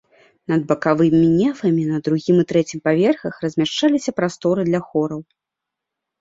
Над бакавымі нефамі на другім і трэцім паверхах размяшчаліся прасторы для хораў.